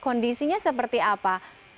kondisinya seperti apa